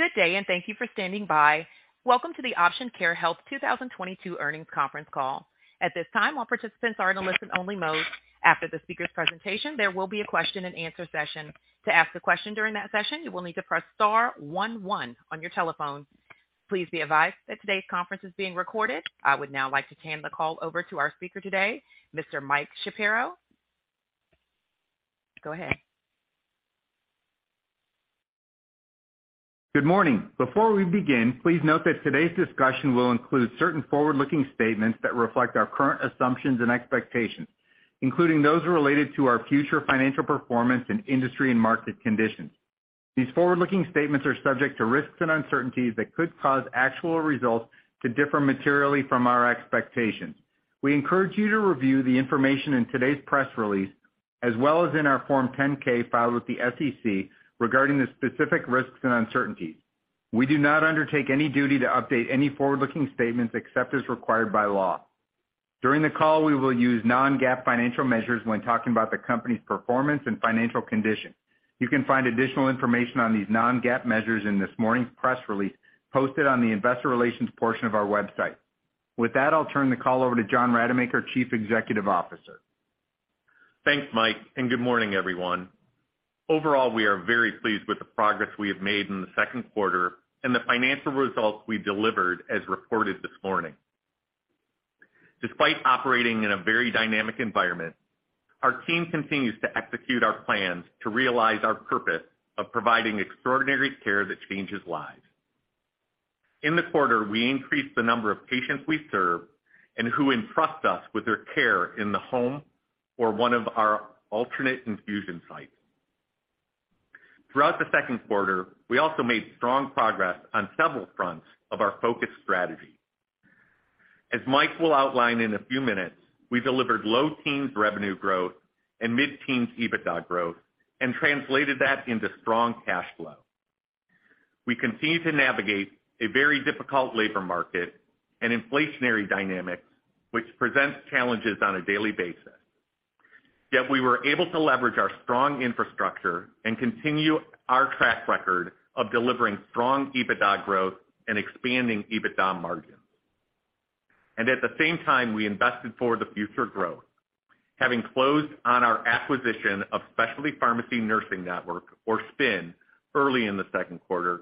Good day, and thank you for standing by. Welcome to the Option Care Health 2022 earnings conference call. At this time, all participants are in a listen only mode. After the speaker's presentation, there will be a question-and-answer session. To ask a question during that session, you will need to press star one one on your telephone. Please be advised that today's conference is being recorded. I would now like to hand the call over to our speaker today, Mr. Mike Shapiro. Go ahead. Good morning. Before we begin, please note that today's discussion will include certain forward-looking statements that reflect our current assumptions and expectations, including those related to our future financial performance and industry and market conditions. These forward-looking statements are subject to risks and uncertainties that could cause actual results to differ materially from our expectations. We encourage you to review the information in today's press release as well as in our Form 10-K filed with the SEC regarding the specific risks and uncertainties. We do not undertake any duty to update any forward-looking statements except as required by law. During the call, we will use non-GAAP financial measures when talking about the company's performance and financial condition. You can find additional information on these non-GAAP measures in this morning's press release posted on the investor relations portion of our website. With that, I'll turn the call over to John Rademacher, Chief Executive Officer. Thanks, Mike, and good morning, everyone. Overall, we are very pleased with the progress we have made in the second quarter and the financial results we delivered as reported this morning. Despite operating in a very dynamic environment, our team continues to execute our plans to realize our purpose of providing extraordinary care that changes lives. In the quarter, we increased the number of patients we serve and who entrust us with their care in the home or one of our alternate infusion sites. Throughout the second quarter, we also made strong progress on several fronts of our focus strategy. As Mike will outline in a few minutes, we delivered low teens revenue growth and mid-teens EBITDA growth and translated that into strong cash flow. We continue to navigate a very difficult labor market and inflationary dynamics, which presents challenges on a daily basis. Yet we were able to leverage our strong infrastructure and continue our track record of delivering strong EBITDA growth and expanding EBITDA margins. At the same time, we invested for the future growth, having closed on our acquisition of Specialty Pharmacy Nursing Network, or SPNN, early in the second quarter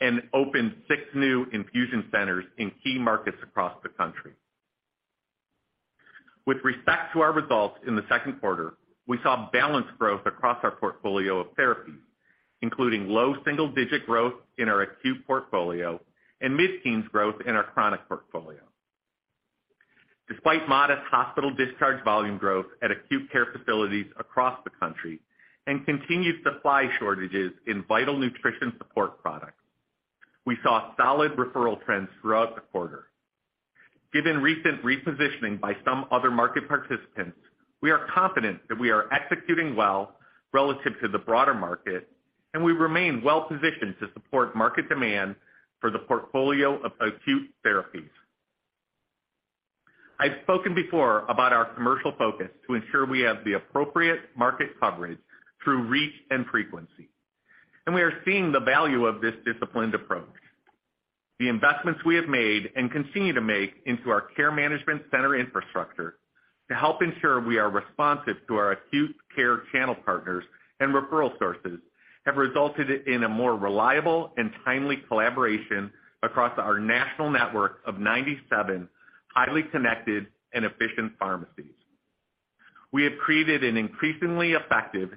and opened six new infusion centers in key markets across the country. With respect to our results in the second quarter, we saw balanced growth across our portfolio of therapies, including low single-digit growth in our acute portfolio and mid-teens growth in our chronic portfolio. Despite modest hospital discharge volume growth at acute care facilities across the country and continued supply shortages in vital nutrition support products, we saw solid referral trends throughout the quarter. Given recent repositioning by some other market participants, we are confident that we are executing well relative to the broader market, and we remain well positioned to support market demand for the portfolio of acute therapies. I've spoken before about our commercial focus to ensure we have the appropriate market coverage through reach and frequency, and we are seeing the value of this disciplined approach. The investments we have made and continue to make into our care management center infrastructure to help ensure we are responsive to our acute care channel partners and referral sources have resulted in a more reliable and timely collaboration across our national network of 97 highly connected and efficient pharmacies. We have created an increasingly effective,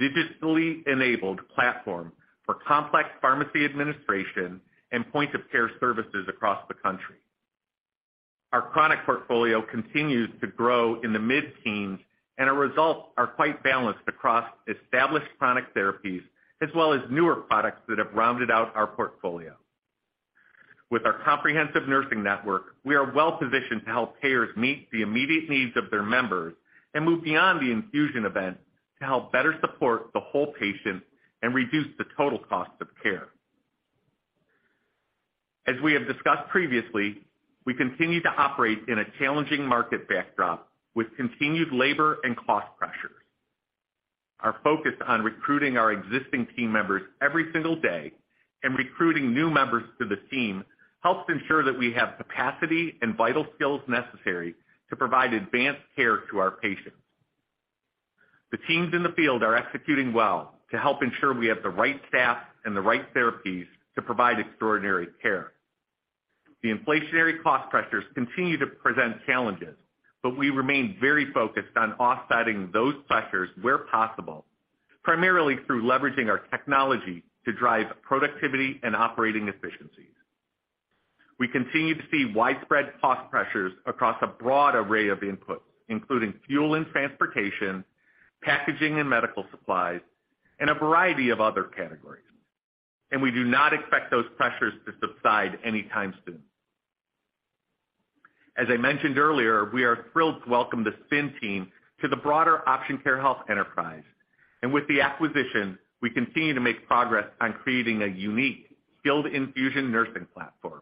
digitally enabled platform for complex pharmacy administration and point of care services across the country. Our chronic portfolio continues to grow in the mid-teens, and our results are quite balanced across established chronic therapies as well as newer products that have rounded out our portfolio. With our comprehensive nursing network, we are well positioned to help payers meet the immediate needs of their members and move beyond the infusion event to help better support the whole patient and reduce the total cost of care. As we have discussed previously, we continue to operate in a challenging market backdrop with continued labor and cost pressures. Our focus on recruiting our existing team members every single day and recruiting new members to the team helps ensure that we have capacity and vital skills necessary to provide advanced care to our patients. The teams in the field are executing well to help ensure we have the right staff and the right therapies to provide extraordinary care. The inflationary cost pressures continue to present challenges, but we remain very focused on offsetting those pressures where possible, primarily through leveraging our technology to drive productivity and operating efficiencies. We continue to see widespread cost pressures across a broad array of inputs, including fuel and transportation, packaging and medical supplies, and a variety of other categories, and we do not expect those pressures to subside anytime soon. As I mentioned earlier, we are thrilled to welcome the SPNN team to the broader Option Care Health enterprise. With the acquisition, we continue to make progress on creating a unique skilled infusion nursing platform.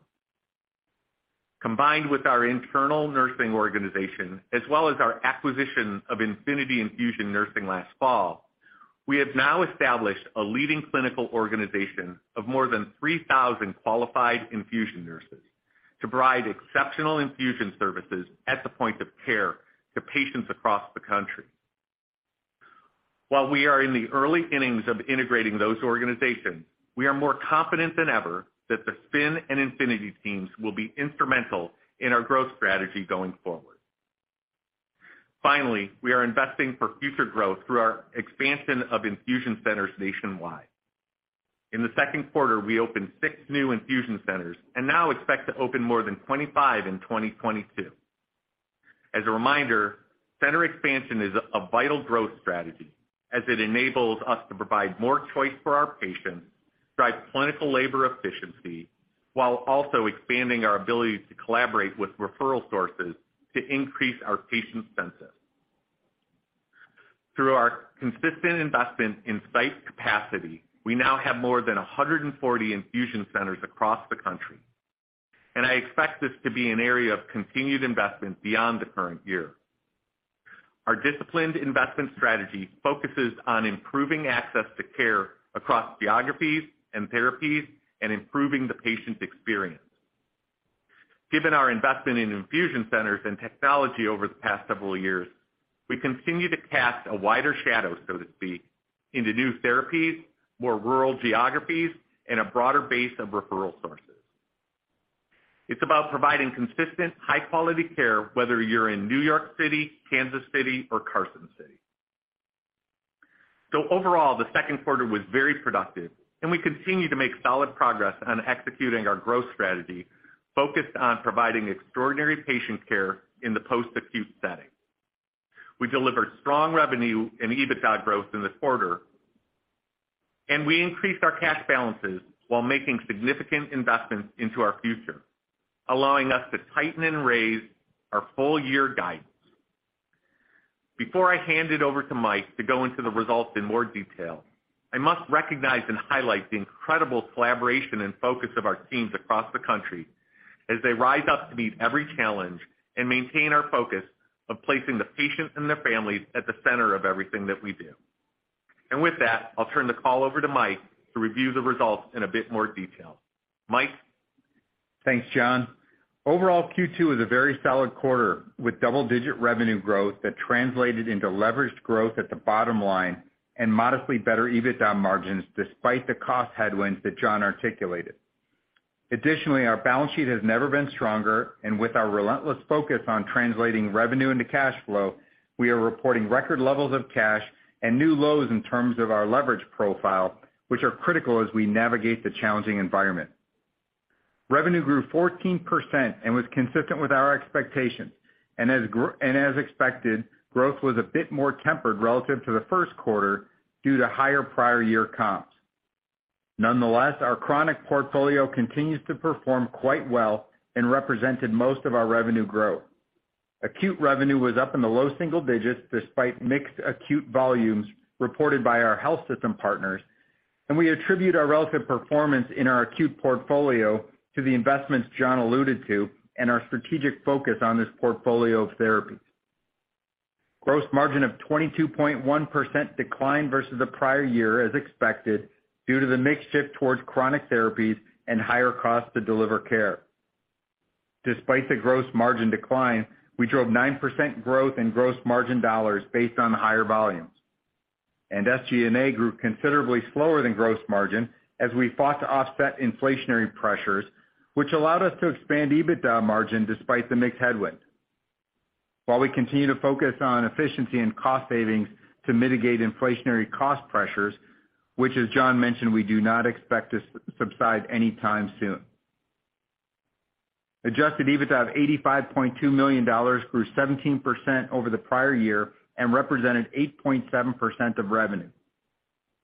Combined with our internal nursing organization, as well as our acquisition of Infinity Infusion Nursing last fall, we have now established a leading clinical organization of more than 3,000 qualified infusion nurses to provide exceptional infusion services at the point of care to patients across the country. While we are in the early innings of integrating those organizations, we are more confident than ever that the SPNN and Infinity teams will be instrumental in our growth strategy going forward. Finally, we are investing for future growth through our expansion of infusion centers nationwide. In the second quarter, we opened six new infusion centers and now expect to open more than 25 in 2022. As a reminder, center expansion is a vital growth strategy as it enables us to provide more choice for our patients, drive clinical labor efficiency, while also expanding our ability to collaborate with referral sources to increase our patient census. Through our consistent investment in site capacity, we now have more than 140 infusion centers across the country, and I expect this to be an area of continued investment beyond the current year. Our disciplined investment strategy focuses on improving access to care across geographies and therapies and improving the patient experience. Given our investment in infusion centers and technology over the past several years, we continue to cast a wider shadow, so to speak, into new therapies, more rural geographies, and a broader base of referral sources. It's about providing consistent, high-quality care whether you're in New York City, Kansas City, or Carson City. Overall, the second quarter was very productive, and we continue to make solid progress on executing our growth strategy focused on providing extraordinary patient care in the post-acute setting. We delivered strong revenue and EBITDA growth in the quarter, and we increased our cash balances while making significant investments into our future, allowing us to tighten and raise our full-year guidance. Before I hand it over to Mike to go into the results in more detail, I must recognize and highlight the incredible collaboration and focus of our teams across the country as they rise up to meet every challenge and maintain our focus of placing the patients and their families at the center of everything that we do. With that, I'll turn the call over to Mike to review the results in a bit more detail. Mike? Thanks, John. Overall, Q2 was a very solid quarter with double-digit revenue growth that translated into leveraged growth at the bottom line and modestly better EBITDA margins despite the cost headwinds that John articulated. Additionally, our balance sheet has never been stronger, and with our relentless focus on translating revenue into cash flow, we are reporting record levels of cash and new lows in terms of our leverage profile, which are critical as we navigate the challenging environment. Revenue grew 14% and was consistent with our expectations. As expected, growth was a bit more tempered relative to the first quarter due to higher prior year comps. Nonetheless, our chronic portfolio continues to perform quite well and represented most of our revenue growth. Acute revenue was up in the low single digits despite mixed acute volumes reported by our health system partners, and we attribute our relative performance in our acute portfolio to the investments John alluded to and our strategic focus on this portfolio of therapies. Gross margin of 22.1% declined versus the prior year as expected due to the mix shift towards chronic therapies and higher costs to deliver care. Despite the gross margin decline, we drove 9% growth in gross margin dollars based on higher volumes. SG&A grew considerably slower than gross margin as we fought to offset inflationary pressures, which allowed us to expand EBITDA margin despite the mixed headwind. While we continue to focus on efficiency and cost savings to mitigate inflationary cost pressures, which, as John mentioned, we do not expect to subside anytime soon. Adjusted EBITDA of $85.2 million grew 17% over the prior year and represented 8.7% of revenue.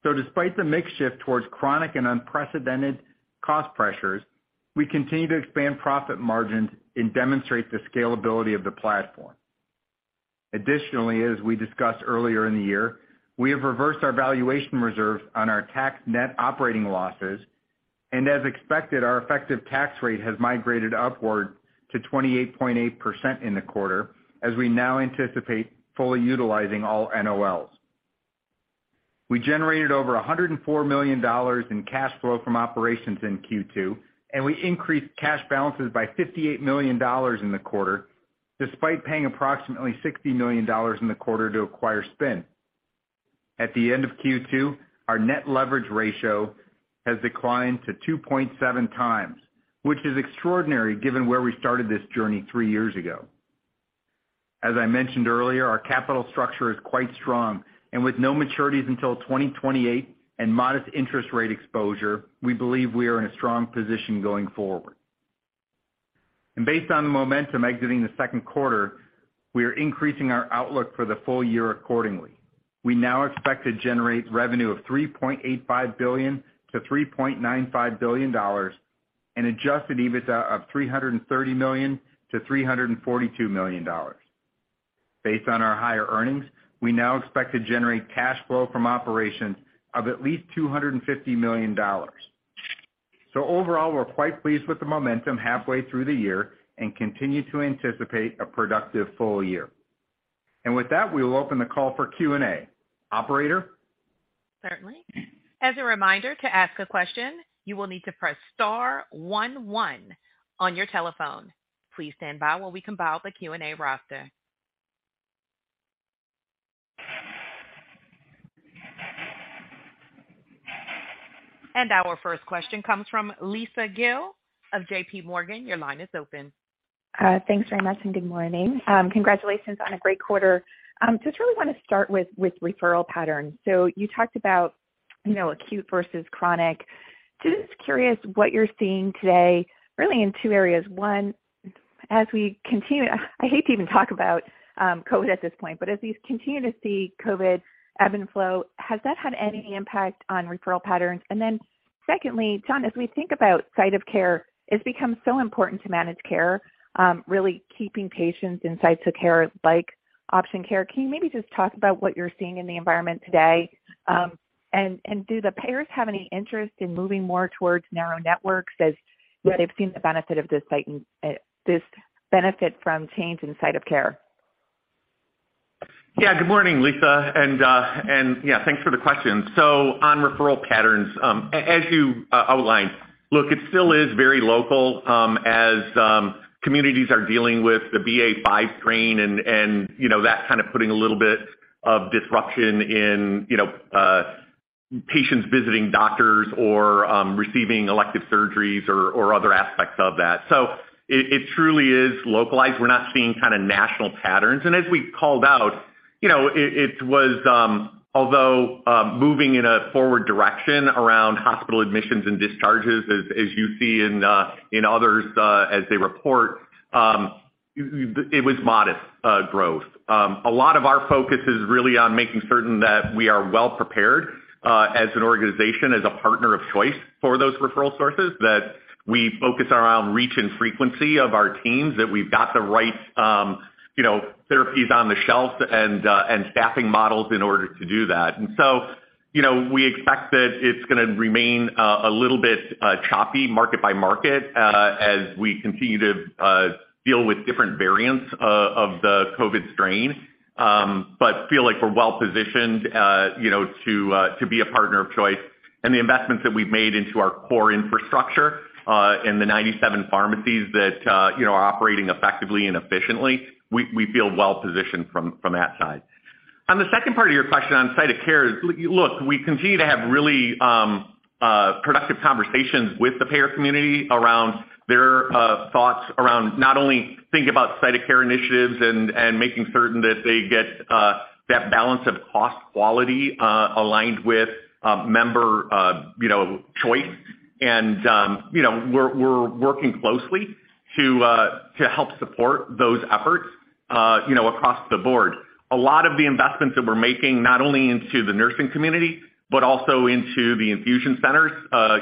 Despite the mix shift towards chronic and unprecedented cost pressures, we continue to expand profit margins and demonstrate the scalability of the platform. Additionally, as we discussed earlier in the year, we have reversed our valuation reserve on our tax net operating losses. As expected, our effective tax rate has migrated upward to 28.8% in the quarter as we now anticipate fully utilizing all NOLs. We generated over $104 million in cash flow from operations in Q2, and we increased cash balances by $58 million in the quarter, despite paying approximately $60 million in the quarter to acquire SPNN. At the end of Q2, our net leverage ratio has declined to 2.7x, which is extraordinary given where we started this journey three years ago. As I mentioned earlier, our capital structure is quite strong. With no maturities until 2028 and modest interest rate exposure, we believe we are in a strong position going forward. Based on the momentum exiting the second quarter, we are increasing our outlook for the full year accordingly. We now expect to generate revenue of $3.85 billion-$3.95 billion and an adjusted EBITDA of $330 million-$342 million. Based on our higher earnings, we now expect to generate cash flow from operations of at least $250 million. Overall, we're quite pleased with the momentum halfway through the year and continue to anticipate a productive full year. With that, we will open the call for Q&A. Operator? Certainly. As a reminder, to ask a question, you will need to press star one one on your telephone. Please stand by while we compile the Q&A roster. Our first question comes from Lisa Gill of JPMorgan. Your line is open. Thanks very much, and good morning. Congratulations on a great quarter. I truly wanna start with referral patterns. You talked about, you know, acute versus chronic. Just curious what you're seeing today, really in two areas. One, I hate to even talk about COVID at this point, but as we continue to see COVID ebb and flow, has that had any impact on referral patterns? Secondly, John, as we think about site of care, it's become so important to manage care, really keeping patients in site of care, like Option Care. Can you maybe just talk about what you're seeing in the environment today? And do the payers have any interest in moving more towards narrow networks as they've seen the benefit of this site and this benefit from change in site of care? Yeah. Good morning, Lisa. Yeah, thanks for the question. On referral patterns, as you outlined. Look, it still is very local, as communities are dealing with the BA.5 strain and you know, that's kind of putting a little bit of disruption in, you know, patients visiting doctors or receiving elective surgeries or other aspects of that. It truly is localized. We're not seeing kinda national patterns. As we called out, you know, it was although moving in a forward direction around hospital admissions and discharges, as you see in others, as they report, it was modest growth. A lot of our focus is really on making certain that we are well prepared, as an organization, as a partner of choice for those referral sources, that we focus around reach and frequency of our teams, that we've got the right, you know, therapies on the shelf and staffing models in order to do that. You know, we expect that it's gonna remain a little bit choppy market by market, as we continue to deal with different variants of the COVID strain. But feel like we're well-positioned, you know, to be a partner of choice. The investments that we've made into our core infrastructure, and the 97 pharmacies that, you know, are operating effectively and efficiently, we feel well positioned from that side. On the second part of your question on site of care, look, we continue to have really productive conversations with the payer community around their thoughts around not only thinking about site of care initiatives and making certain that they get that balance of cost quality aligned with member you know choice. You know, we're working closely to help support those efforts you know across the board. A lot of the investments that we're making, not only into the nursing community, but also into the infusion centers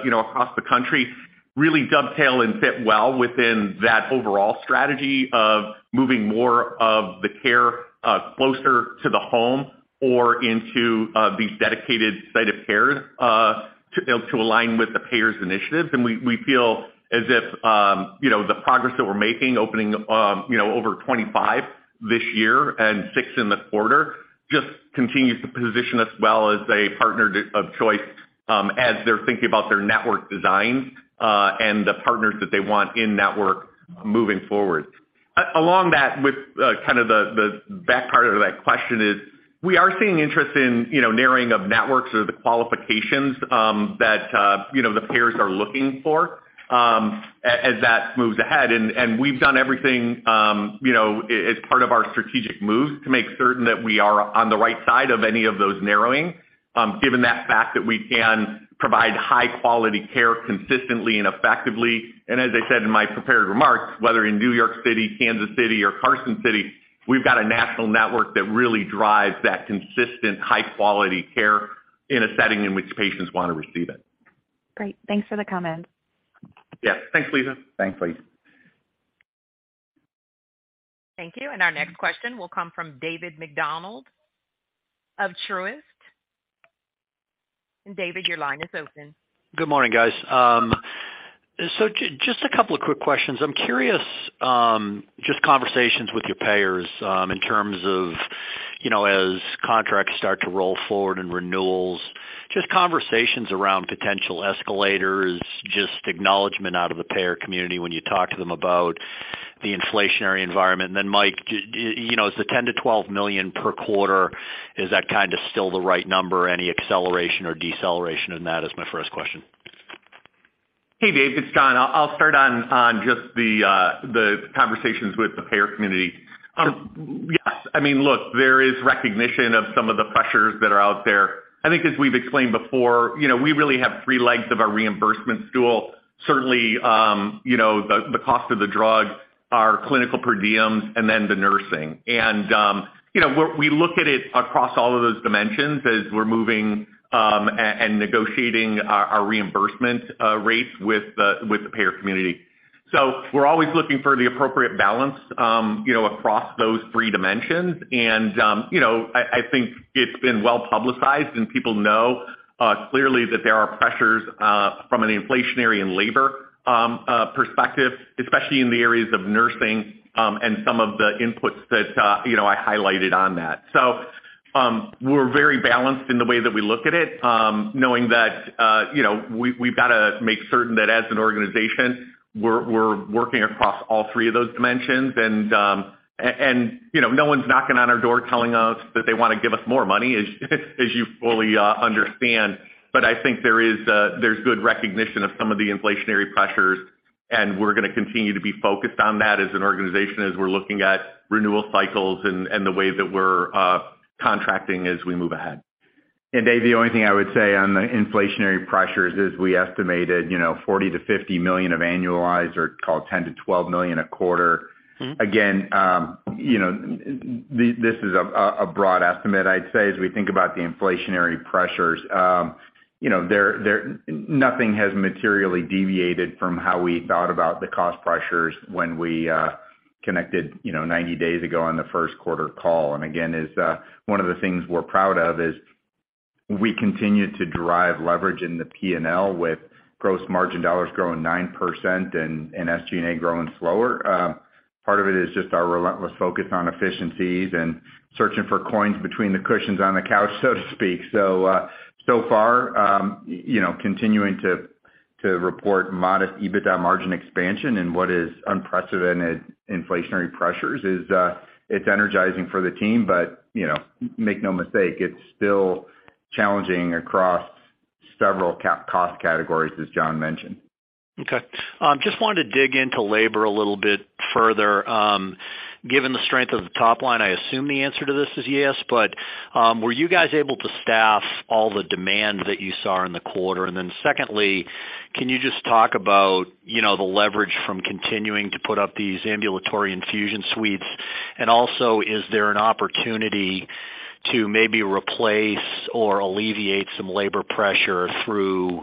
you know across the country, really dovetail and fit well within that overall strategy of moving more of the care closer to the home or into these dedicated site of care to align with the payers initiatives. We feel as if, you know, the progress that we're making, opening up, you know, over 25 this year and six in the quarter, just continues to position us well as a partner of choice, as they're thinking about their network designs, and the partners that they want in network moving forward. Along with that, kind of the back part of that question is we are seeing interest in, you know, narrowing of networks or the qualifications, that you know, the payers are looking for, as that moves ahead. We've done everything, you know, as part of our strategic moves to make certain that we are on the right side of any of those narrowing, given the fact that we can provide high quality care consistently and effectively. As I said in my prepared remarks, whether in New York City, Kansas City, or Carson City, we've got a national network that really drives that consistent, high quality care in a setting in which patients wanna receive it. Great. Thanks for the comment. Yeah. Thanks, Lisa. Thanks, Lisa. Thank you. Our next question will come from David MacDonald of Truist. David, your line is open. Good morning, guys. Just a couple of quick questions. I'm curious, just conversations with your payers, in terms of, you know, as contracts start to roll forward and renewals, just conversations around potential escalators, just acknowledgement out of the payer community when you talk to them about the inflationary environment. Then, Mike, you know, is the $10 million-$12 million per quarter, is that kinda still the right number? Any acceleration or deceleration in that is my first question. Hey, Dave. It's John. I'll start on just the conversations with the payer community. Yes. I mean, look, there is recognition of some of the pressures that are out there. I think as we've explained before, you know, we really have three legs of our reimbursement stool, certainly, you know, the cost of the drug, our clinical per diems, and then the nursing. You know, we look at it across all of those dimensions as we're moving and negotiating our reimbursement rates with the payer community. We're always looking for the appropriate balance, you know, across those three dimensions. You know, I think it's been well-publicized, and people know clearly that there are pressures from an inflationary and labor perspective, especially in the areas of nursing and some of the inputs that you know, I highlighted on that. We're very balanced in the way that we look at it, knowing that you know, we've gotta make certain that as an organization, we're working across all three of those dimensions. You know, no one's knocking on our door telling us that they wanna give us more money, as you fully understand. I think there's good recognition of some of the inflationary pressures, and we're gonna continue to be focused on that as an organization, as we're looking at renewal cycles and the way that we're contracting as we move ahead. Dave, the only thing I would say on the inflationary pressures is we estimated, you know, $40 million-$50 million of annualized or call it $10 million-$12 million a quarter. Mm-hmm. Again, you know, this is a broad estimate, I'd say, as we think about the inflationary pressures. You know, nothing has materially deviated from how we thought about the cost pressures when we connected, you know, 90 days ago on the first quarter call. Again, one of the things we're proud of is we continue to drive leverage in the P&L with gross margin dollars growing 9% and SG&A growing slower. Part of it is just our relentless focus on efficiencies and searching for coins between the cushions on the couch, so to speak. So far, you know, continuing to report modest EBITDA margin expansion in what is unprecedented inflationary pressures, it's energizing for the team, but, you know, make no mistake, it's still challenging across several cost categories, as John mentioned. Okay. Just wanted to dig into labor a little bit further. Given the strength of the top line, I assume the answer to this is yes, but, were you guys able to staff all the demand that you saw in the quarter? Then secondly, can you just talk about, you know, the leverage from continuing to put up these ambulatory infusion suites? Also, is there an opportunity to maybe replace or alleviate some labor pressure through,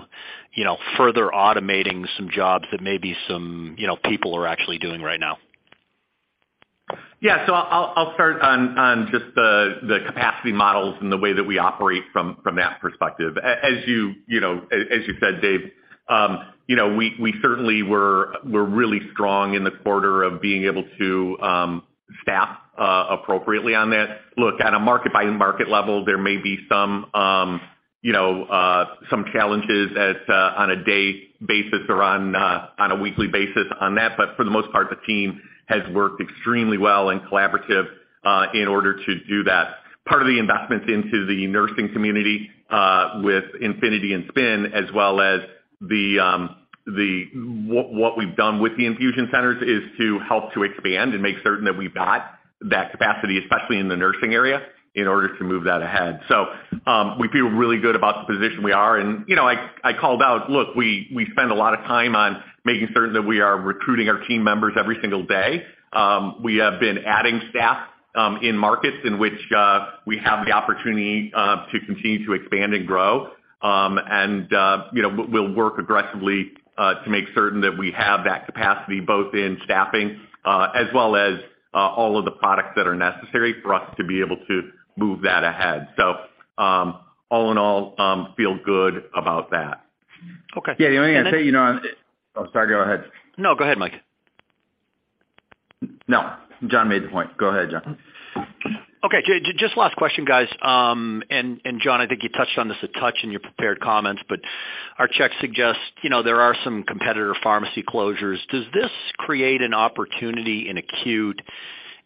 you know, further automating some jobs that maybe some, you know, people are actually doing right now? I'll start on just the capacity models and the way that we operate from that perspective. As you said, Dave, you know, we certainly were really strong in the quarter of being able to staff appropriately on that. Look, on a market by market level, there may be some challenges on a day basis or on a weekly basis on that. For the most part, the team has worked extremely well and collaborative in order to do that. Part of the investments into the nursing community with Infinity and SPNN, as well as what we've done with the infusion centers is to help to expand and make certain that we've got that capacity, especially in the nursing area, in order to move that ahead. We feel really good about the position we are. You know, I called out, look, we spend a lot of time on making certain that we are recruiting our team members every single day. We have been adding staff in markets in which we have the opportunity to continue to expand and grow. You know, we'll work aggressively to make certain that we have that capacity, both in staffing as well as all of the products that are necessary for us to be able to move that ahead. All in all, feel good about that. Okay. Yeah. The only thing I'd say, you know. Oh, sorry, go ahead. No, go ahead, Mike. No, John made the point. Go ahead, John. Okay. Just last question, guys. And John, I think you touched on this a touch in your prepared comments, but our checks suggest, you know, there are some competitor pharmacy closures. Does this create an opportunity in acute?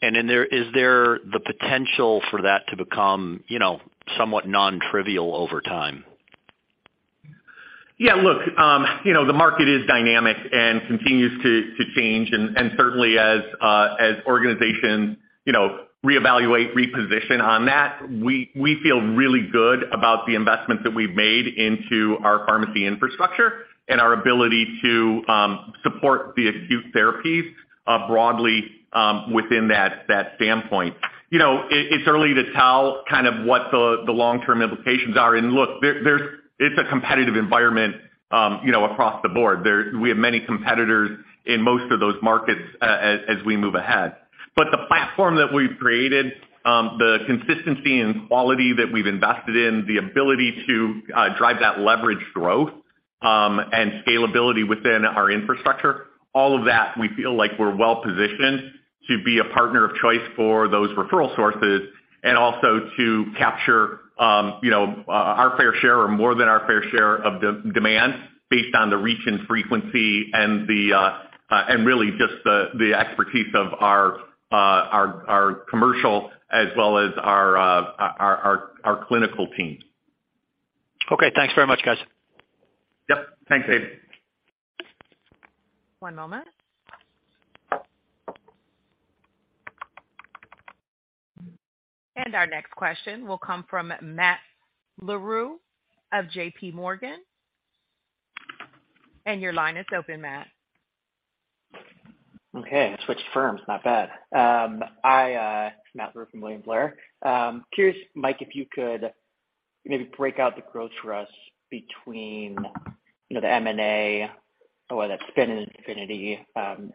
Is there the potential for that to become, you know, somewhat non-trivial over time? Yeah. Look, you know, the market is dynamic and continues to change. Certainly as organizations, you know, reevaluate, reposition on that, we feel really good about the investments that we've made into our pharmacy infrastructure and our ability to support the acute therapies, broadly, within that standpoint. You know, it's early to tell kind of what the long-term implications are. Look, it's a competitive environment, you know, across the board. We have many competitors in most of those markets as we move ahead. The platform that we've created, the consistency and quality that we've invested in, the ability to drive that leverage growth, and scalability within our infrastructure, all of that, we feel like we're well positioned to be a partner of choice for those referral sources and also to capture, you know, our fair share or more than our fair share of demand based on the reach and frequency and really just the expertise of our commercial as well as our clinical teams. Okay, thanks very much, guys. Yep. Thanks, Dave. One moment. Our next question will come from Matt Larew of JPMorgan. Your line is open, Matt. Okay. I switched firms, not bad. I, Matt Larew from William Blair. Curious, Mike, if you could maybe break out the growth for us between, you know, the M&A, whether that's SPNN and Infinity,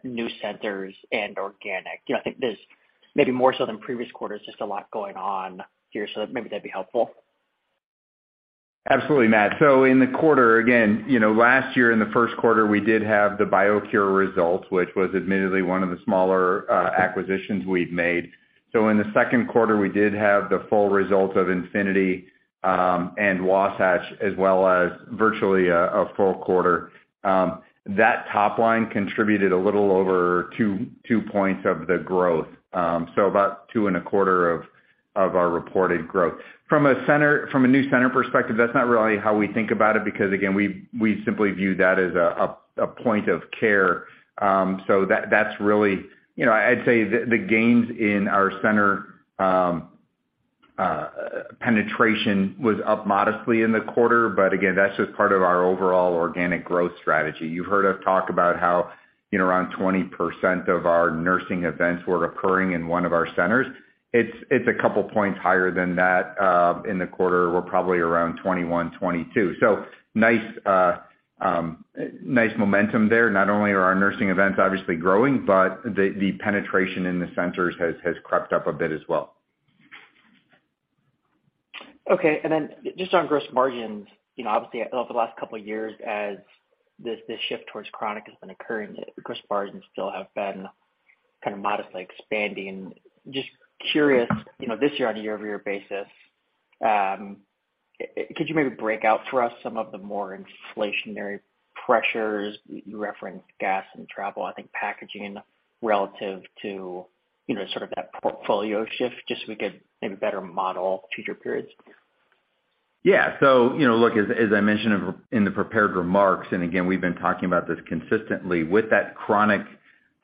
new centers and organic. You know, I think there's maybe more so than previous quarters, just a lot going on here, so maybe that'd be helpful. Absolutely, Matt. In the quarter, again, you know, last year in the first quarter, we did have the BioCure results, which was admittedly one of the smaller acquisitions we've made. In the second quarter, we did have the full results of Infinity and Wasatch as well as virtually a full quarter. That top line contributed a little over two points of the growth. About 2.25 of our reported growth. From a new center perspective, that's not really how we think about it because again, we simply view that as a point of care. That's really, you know, I'd say the gains in our center penetration was up modestly in the quarter, but again, that's just part of our overall organic growth strategy. You've heard us talk about how, you know, around 20% of our nursing events were occurring in one of our centers. It's a couple points higher than that in the quarter. We're probably around 21%, 22%. Nice momentum there. Not only are our nursing events obviously growing, but the penetration in the centers has crept up a bit as well. Okay. Just on gross margins, you know, obviously over the last couple of years as this shift towards chronic has been occurring, gross margins still have been kind of modestly expanding. Just curious, you know, this year-on-year basis, could you maybe break out for us some of the more inflationary pressures, you referenced gas and travel, I think packaging relative to, you know, sort of that portfolio shift, just so we could maybe better model future periods? Yeah. You know, look, as I mentioned in the prepared remarks, and again, we've been talking about this consistently, with that chronic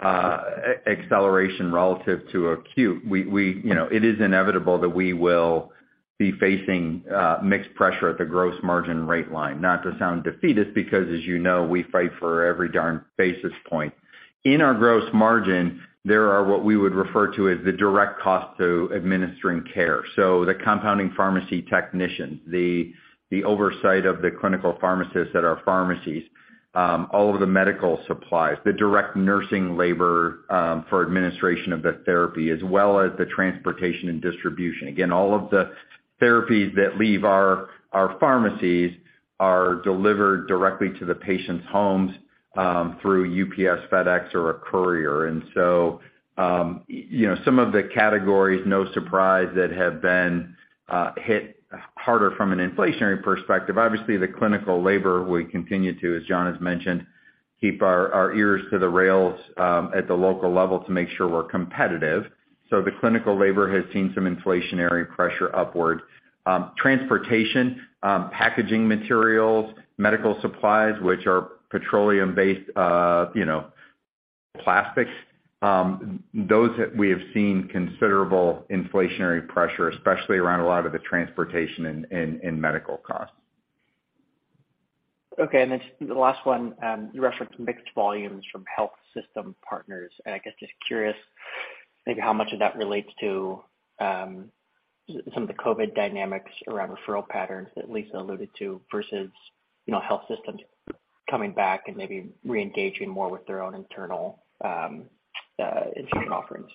acceleration relative to acute, you know, it is inevitable that we will be facing mixed pressure at the gross margin rate line. Not to sound defeatist because as you know, we fight for every darn basis point. In our gross margin, there are what we would refer to as the direct cost to administering care. The compounding pharmacy technician, the oversight of the clinical pharmacists at our pharmacies, all of the medical supplies, the direct nursing labor for administration of the therapy, as well as the transportation and distribution. Again, all of the therapies that leave our pharmacies are delivered directly to the patient's homes through UPS, FedEx, or a courier. You know, some of the categories, no surprise, have been hit harder from an inflationary perspective. Obviously, the clinical labor, we continue to, as John has mentioned, keep our ears to the rails at the local level to make sure we're competitive. The clinical labor has seen some inflationary pressure upward. Transportation, packaging materials, medical supplies, which are petroleum-based, you know, plastics, those we have seen considerable inflationary pressure, especially around a lot of the transportation and medical costs. Okay. The last one, you referenced mixed volumes from health system partners. I guess just curious, maybe how much of that relates to some of the COVID dynamics around referral patterns that Lisa alluded to versus, you know, health systems coming back and maybe reengaging more with their own internal insurance offerings?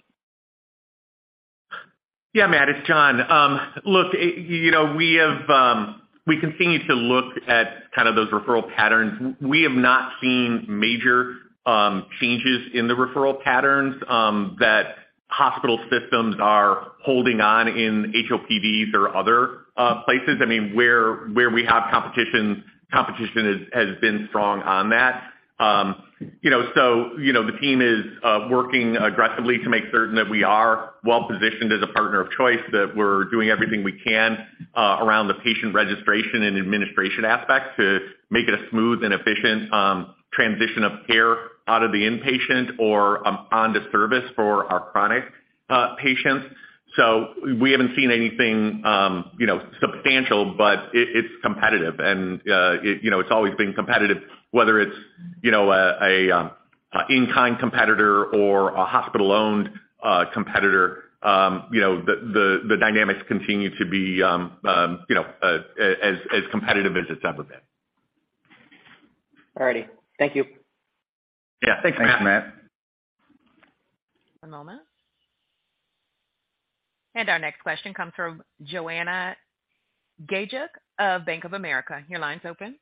Yeah, Matt, it's John. Look, you know, we have, we continue to look at kind of those referral patterns. We have not seen major changes in the referral patterns that hospital systems are holding on in HOPDs or other places. I mean, where we have competition has been strong on that. You know, the team is working aggressively to make certain that we are well positioned as a partner of choice, that we're doing everything we can around the patient registration and administration aspect to make it a smooth and efficient transition of care out of the inpatient or on to service for our chronic patients. We haven't seen anything, you know, substantial, but it's competitive. You know, it's always been competitive, whether it's, you know, in-kind competitor or a hospital-owned competitor, you know, the dynamics continue to be, you know, as competitive as it's ever been. All righty. Thank you. Yeah. Thanks, Matt. Thanks, Matt. One moment. Our next question comes from Joanna Gajuk of Bank of America. Your line's open.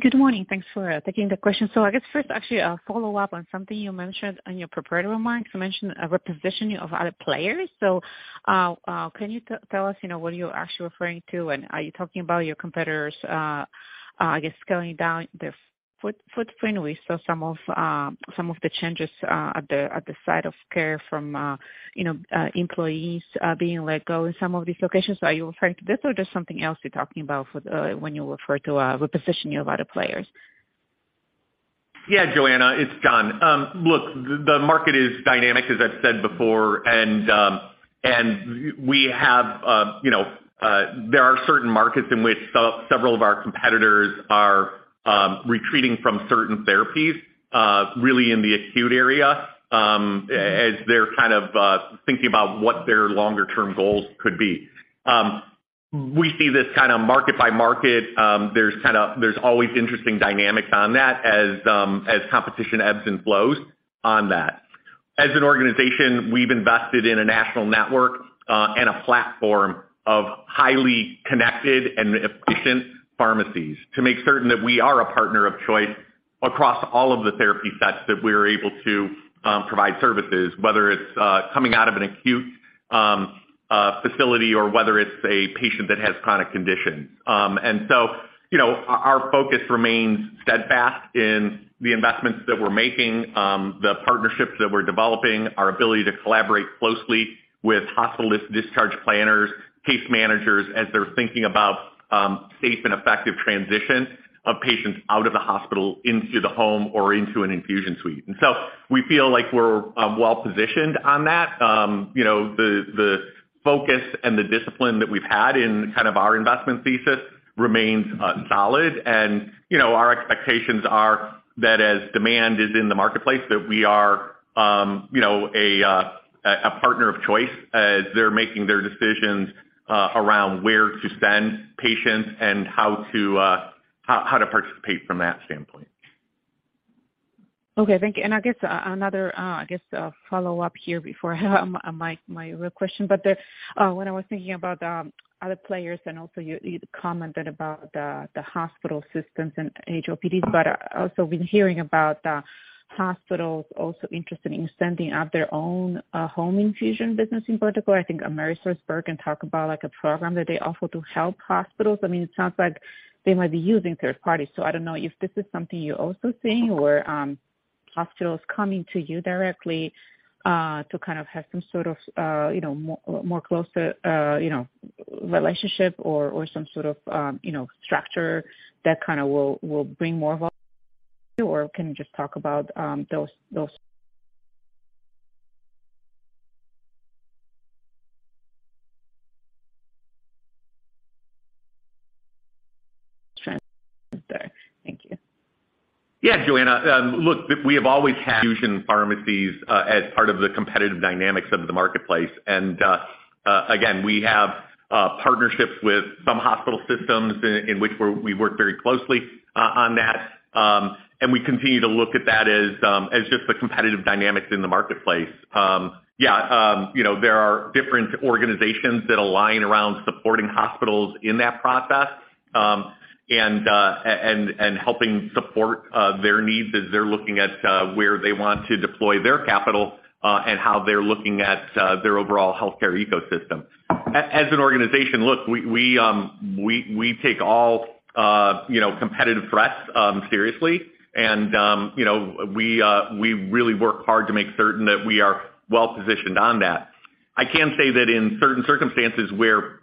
Good morning. Thanks for taking the question. I guess first, actually a follow-up on something you mentioned on your prepared remarks. You mentioned a repositioning of other players. Can you tell us, you know, what you're actually referring to, and are you talking about your competitors, I guess, scaling down their footprint? We saw some of the changes at the site of care from, you know, employees being let go in some of these locations. Are you referring to this or just something else you're talking about for the when you refer to repositioning of other players? Yeah, Joanna, it's John. Look, the market is dynamic, as I've said before, and We have, you know, there are certain markets in which several of our competitors are retreating from certain therapies, really in the acute area, as they're kind of thinking about what their longer term goals could be. We see this kind of market by market. There's always interesting dynamics on that as competition ebbs and flows on that. As an organization, we've invested in a national network and a platform of highly connected and efficient pharmacies to make certain that we are a partner of choice across all of the therapy sets that we're able to provide services, whether it's coming out of an acute facility or whether it's a patient that has chronic conditions. You know, our focus remains steadfast in the investments that we're making, the partnerships that we're developing, our ability to collaborate closely with hospital discharge planners, case managers, as they're thinking about safe and effective transition of patients out of the hospital into the home or into an infusion suite. We feel like we're well-positioned on that. You know, the focus and the discipline that we've had in kind of our investment thesis remains solid. You know, our expectations are that as demand is in the marketplace, that we are you know, a partner of choice as they're making their decisions around where to send patients and how to participate from that standpoint. Okay, thank you. I guess another follow-up here before my real question. When I was thinking about other players and also you commented about the hospital systems and HOPDs, I also been hearing about hospitals also interested in sending out their own home infusion business in particular. I think AmerisourceBergen talk about like a program that they offer to help hospitals. I mean, it sounds like they might be using third parties, so I don't know if this is something you're also seeing or hospitals coming to you directly to kind of have some sort of you know more closer you know relationship or some sort of you know structure that kind of will bring more of a Can you just talk about those? Thank you. Yeah, Joanna. Look, we have always had infusion pharmacies as part of the competitive dynamics of the marketplace. Again, we have partnerships with some hospital systems in which we work very closely on that. We continue to look at that as just the competitive dynamics in the marketplace. You know, there are different organizations that align around supporting hospitals in that process, and helping support their needs as they're looking at where they want to deploy their capital, and how they're looking at their overall healthcare ecosystem. As an organization, we take all, you know, competitive threats seriously. You know, we really work hard to make certain that we are well positioned on that. I can say that in certain circumstances where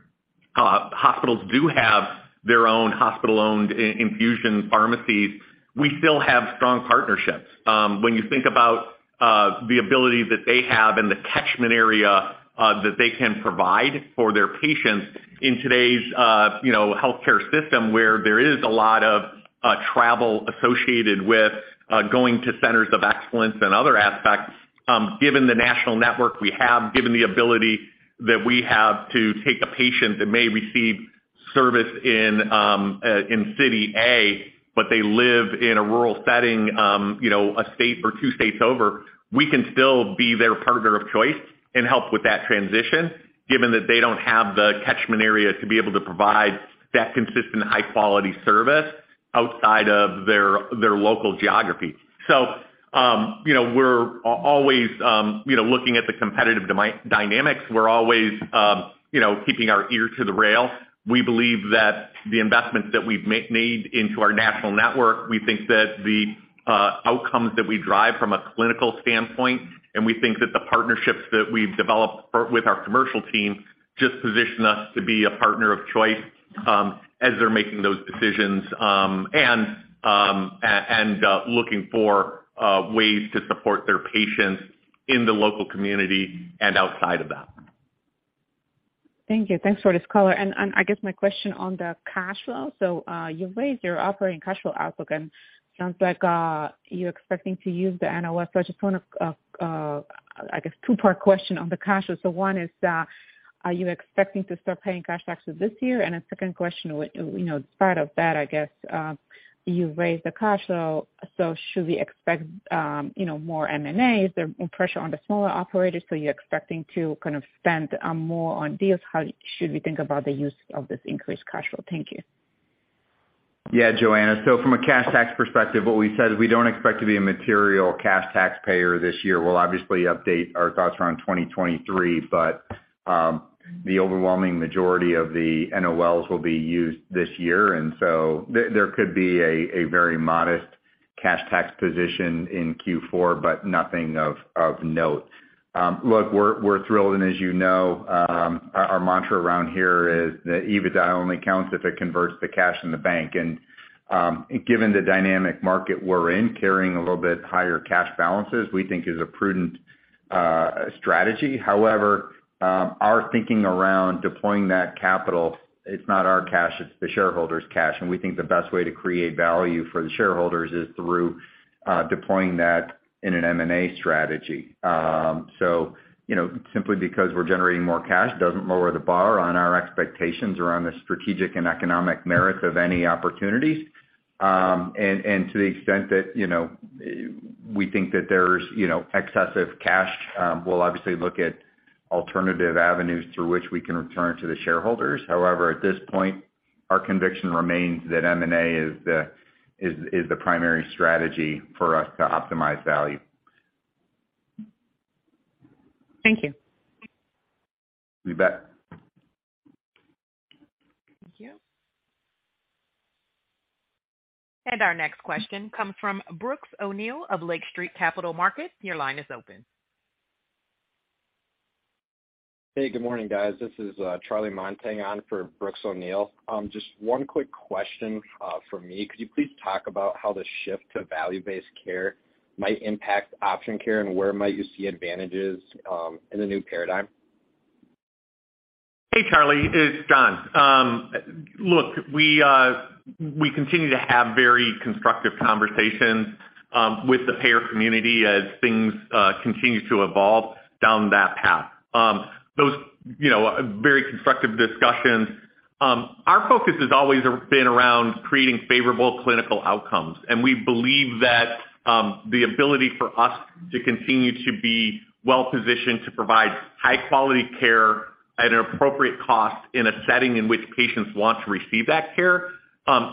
hospitals do have their own hospital-owned infusion pharmacies, we still have strong partnerships. When you think about the ability that they have and the catchment area that they can provide for their patients in today's, you know, healthcare system, where there is a lot of travel associated with going to centers of excellence and other aspects, given the national network we have, given the ability that we have to take a patient that may receive service in city A, but they live in a rural setting, you know, a state or two states over, we can still be their partner of choice and help with that transition, given that they don't have the catchment area to be able to provide that consistent high quality service outside of their local geography. You know, we're always, you know, looking at the competitive dynamics. We're always, you know, keeping our ear to the ground. We believe that the investments that we've made into our national network, we think that the outcomes that we drive from a clinical standpoint, and we think that the partnerships that we've developed with our commercial team just position us to be a partner of choice, as they're making those decisions, and looking for ways to support their patients in the local community and outside of that. Thank you. Thanks for this color. I guess my question on the cash flow. You've raised your operating cash flow outlook, and it sounds like you're expecting to use the NOL. I just want a two-part question on the cash flow. One is, are you expecting to start paying cash taxes this year? A second question, you know, as part of that, I guess, you've raised the cash flow, so should we expect, you know, more M&As? There's pressure on the smaller operators, so you're expecting to kind of spend more on deals. How should we think about the use of this increased cash flow? Thank you. Yeah, Joanna. From a cash tax perspective, what we said is we don't expect to be a material cash taxpayer this year. We'll obviously update our thoughts around 2023, but the overwhelming majority of the NOLs will be used this year. There could be a very modest cash tax position in Q4, but nothing of note. Look, we're thrilled, and as you know, our mantra around here is that EBITDA only counts if it converts to cash in the bank. Given the dynamic market we're in, carrying a little bit higher cash balances, we think is a prudent strategy. However, our thinking around deploying that capital, it's not our cash, it's the shareholders' cash, and we think the best way to create value for the shareholders is through deploying that in an M&A strategy. You know, simply because we're generating more cash doesn't lower the bar on our expectations around the strategic and economic merits of any opportunities. To the extent that, you know, we think that there's, you know, excessive cash, we'll obviously look at alternative avenues through which we can return to the shareholders. However, at this point, our conviction remains that M&A is the primary strategy for us to optimize value. Thank you. Our next question comes from Brooks O'Neil of Lake Street Capital Markets. Your line is open. Hey, good morning, guys. This is Charlie Montang on for Brooks O'Neil. Just one quick question from me. Could you please talk about how the shift to value-based care might impact Option Care and where might you see advantages in the new paradigm? Hey, Charlie, it's John. Look, we continue to have very constructive conversations with the payer community as things continue to evolve down that path. Those, you know, very constructive discussions. Our focus has always been around creating favorable clinical outcomes, and we believe that the ability for us to continue to be well-positioned to provide high-quality care at an appropriate cost in a setting in which patients want to receive that care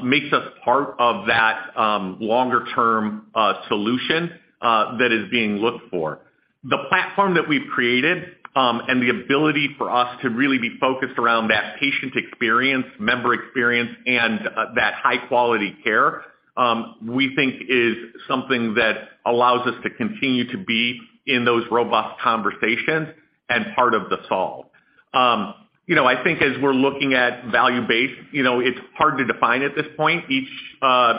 makes us part of that longer-term solution that is being looked for. The platform that we've created and the ability for us to really be focused around that patient experience, member experience, and that high-quality care we think is something that allows us to continue to be in those robust conversations and part of the solve. You know, I think as we're looking at value base, you know, it's hard to define at this point. Each,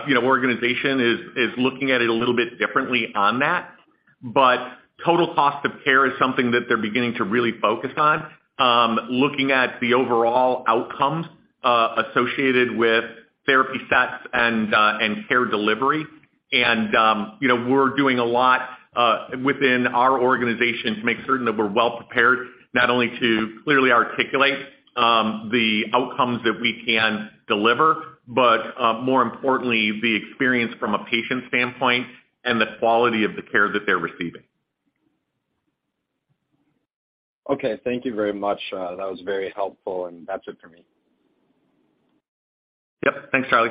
you know, organization is looking at it a little bit differently on that. Total cost of care is something that they're beginning to really focus on, looking at the overall outcomes associated with therapy sets and care delivery. You know, we're doing a lot within our organization to make certain that we're well prepared, not only to clearly articulate the outcomes that we can deliver, but more importantly, the experience from a patient standpoint and the quality of the care that they're receiving. Okay. Thank you very much. That was very helpful, and that's it for me. Yep. Thanks, Charlie.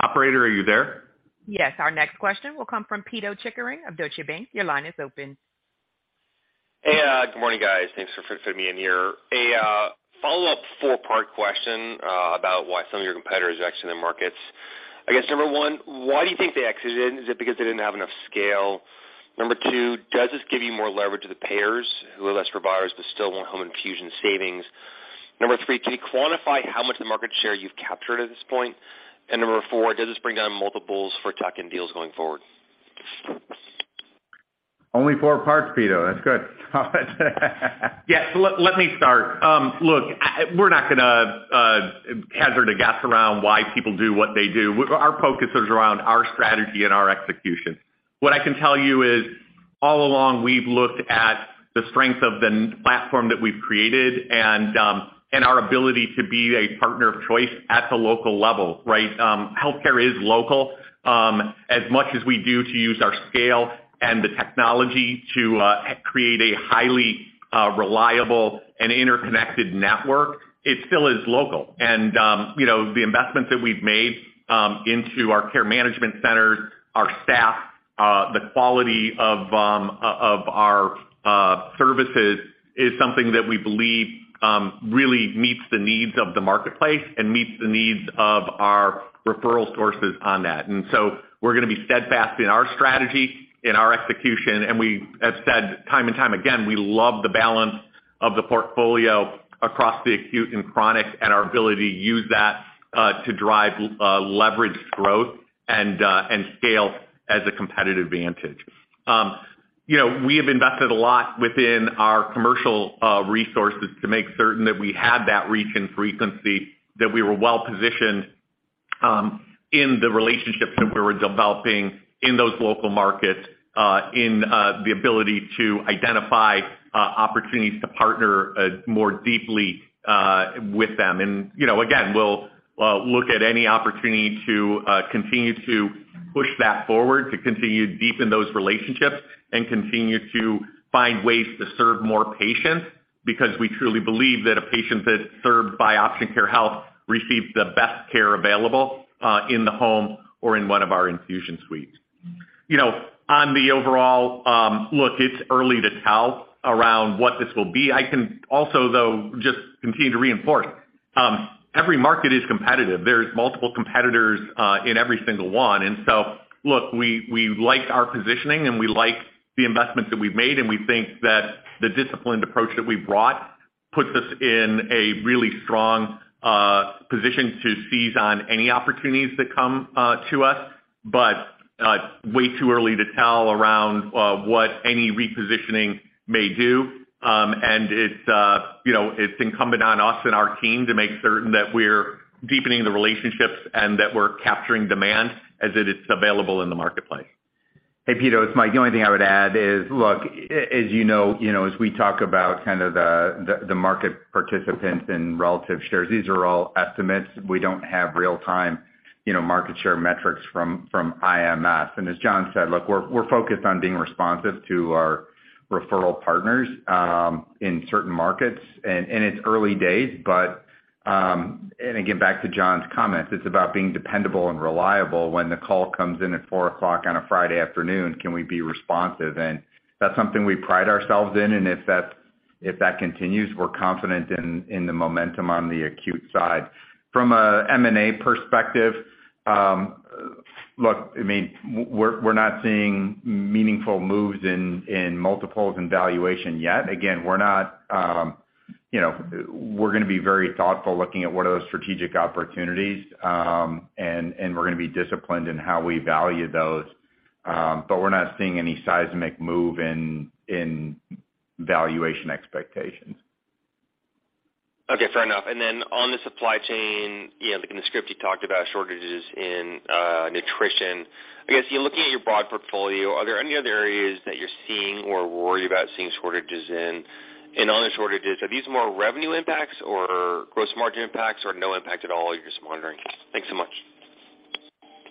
Operator, are you there? Yes. Our next question will come from Pito Chickering of Deutsche Bank. Your line is open. Hey, good morning, guys. Thanks for fitting me in here. A follow-up four-part question about why some of your competitors are exiting the markets. Number one, why do you think they exited? Is it because they didn't have enough scale? Number two, does this give you more leverage to the payers who are less favorable buyers but still want home infusion savings? Number three, can you quantify how much of the market share you've captured at this point? And number four, does this bring down multiples for tuck-in deals going forward? Only four parts, Pito. That's good. Yes. Let me start. Look, we're not gonna hazard a guess around why people do what they do. Our focus is around our strategy and our execution. What I can tell you is, all along, we've looked at the strength of the platform that we've created and our ability to be a partner of choice at the local level, right? Healthcare is local. As much as we do to use our scale and the technology to create a highly reliable and interconnected network, it still is local. You know, the investments that we've made into our care management centers, our staff, the quality of our services is something that we believe really meets the needs of the marketplace and meets the needs of our referral sources on that. We're gonna be steadfast in our strategy, in our execution, and we have said time and time again, we love the balance of the portfolio across the acute and chronic and our ability to use that to drive leverage growth and scale as a competitive advantage. You know, we have invested a lot within our commercial resources to make certain that we had that reach and frequency, that we were well positioned in the relationships that we were developing in those local markets, in the ability to identify opportunities to partner more deeply with them. You know, again, we'll look at any opportunity to continue to push that forward to continue to deepen those relationships and continue to find ways to serve more patients, because we truly believe that a patient that's served by Option Care Health receives the best care available in the home or in one of our infusion suites. You know, on the overall look, it's early to tell around what this will be. I can also, though, just continue to reinforce. Every market is competitive. There's multiple competitors in every single one. Look, we like our positioning and we like the investments that we've made, and we think that the disciplined approach that we've brought puts us in a really strong position to seize on any opportunities that come to us. Way too early to tell around what any repositioning may do. It's, you know, it's incumbent on us and our team to make certain that we're deepening the relationships and that we're capturing demand as it is available in the marketplace. Hey, Pito, it's Mike. The only thing I would add is, look, as you know, you know, as we talk about kind of the market participants and relative shares, these are all estimates. We don't have real-time, you know, market share metrics from IMS. As John said, look, we're focused on being responsive to our referral partners in certain markets and it's early days but, and again, back to John's comments, it's about being dependable and reliable. When the call comes in at four o'clock on a Friday afternoon, can we be responsive? That's something we pride ourselves in, and if that continues, we're confident in the momentum on the acute side. From a M&A perspective, look, I mean, we're not seeing meaningful moves in multiples and valuation yet. Again, we're not, you know. We're gonna be very thoughtful looking at what are those strategic opportunities, and we're gonna be disciplined in how we value those. We're not seeing any seismic move in valuation expectations. Okay, fair enough. Then on the supply chain, you know, like in the script, you talked about shortages in nutrition. I guess, you know, looking at your broad portfolio, are there any other areas that you're seeing or worry about seeing shortages in? On the shortages, are these more revenue impacts or gross margin impacts or no impact at all, you're just monitoring? Thanks so much.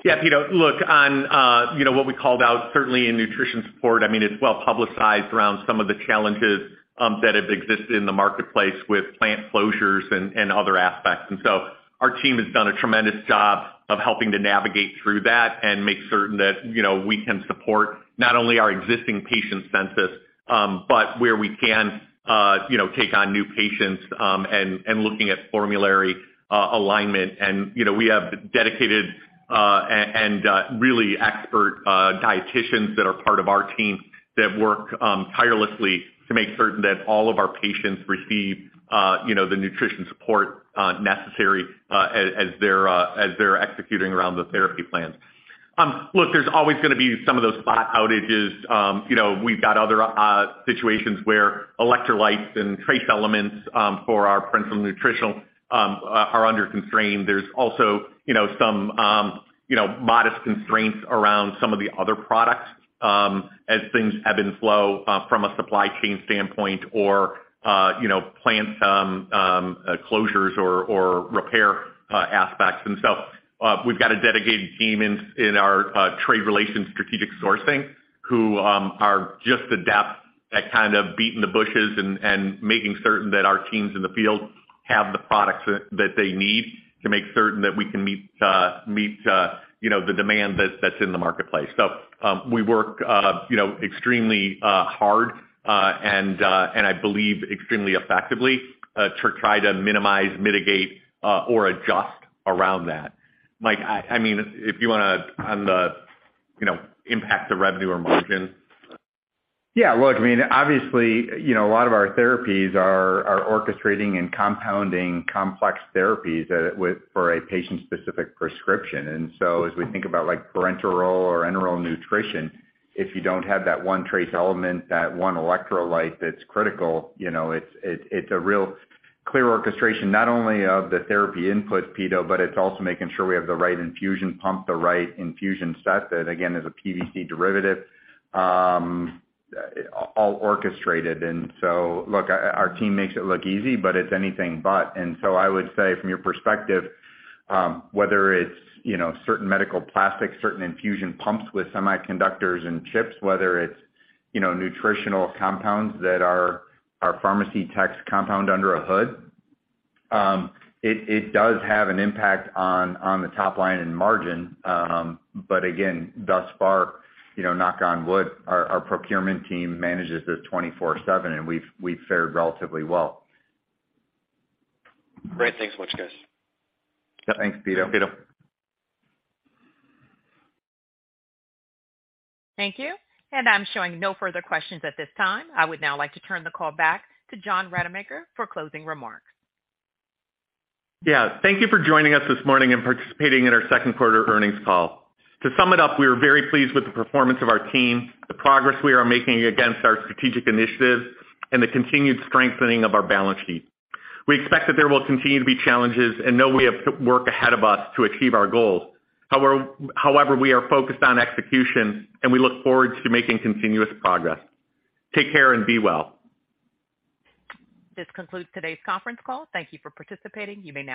Yeah, Pito, look, on, you know, what we called out certainly in nutrition support, I mean, it's well-publicized around some of the challenges that have existed in the marketplace with plant closures and other aspects. Our team has done a tremendous job of helping to navigate through that and make certain that, you know, we can support not only our existing patient census, but where we can, you know, take on new patients, and looking at formulary alignment. You know, we have dedicated and really expert dieticians that are part of our team that work tirelessly to make certain that all of our patients receive, you know, the nutrition support necessary as they're executing around the therapy plans. Look, there's always gonna be some of those spot outages. You know, we've got other situations where electrolytes and trace elements for our parenteral nutrition are under constraint. There's also, you know, some modest constraints around some of the other products as things ebb and flow from a supply chain standpoint or, you know, plant closures or repair aspects. We've got a dedicated team in our trade relations strategic sourcing who are just adept at kind of beating the bushes and making certain that our teams in the field have the products that they need to make certain that we can meet you know, the demand that's in the marketplace. We work, you know, extremely hard and I believe extremely effectively to try to minimize, mitigate or adjust around that. Mike, I mean if you wanna on the, you know, impact to revenue or margin. Yeah, look, I mean, obviously, you know, a lot of our therapies are orchestrating and compounding complex therapies for a patient-specific prescription. As we think about like parenteral or enteral nutrition, if you don't have that one trace element, that one electrolyte that's critical, you know, it's a real clear orchestration not only of the therapy input, Pito, but it's also making sure we have the right infusion pump, the right infusion set that again, is a PVC derivative, all orchestrated. Look, our team makes it look easy, but it's anything but. I would say from your perspective, whether it's, you know, certain medical plastics, certain infusion pumps with semiconductors and chips, whether it's, you know, nutritional compounds that our pharmacy techs compound under a hood, it does have an impact on the top line and margin. Again, thus far, you know, knock on wood, our procurement team manages this 24/7 and we've fared relatively well. Great. Thanks so much, guys. Yeah. Thanks, Pito. Thanks, Pito. Thank you. I'm showing no further questions at this time. I would now like to turn the call back to John Rademacher for closing remarks. Yeah. Thank you for joining us this morning and participating in our second quarter earnings call. To sum it up, we are very pleased with the performance of our team, the progress we are making against our strategic initiatives, and the continued strengthening of our balance sheet. We expect that there will continue to be challenges and know we have work ahead of us to achieve our goals. However, we are focused on execution and we look forward to making continuous progress. Take care and be well. This concludes today's conference call. Thank you for participating. You may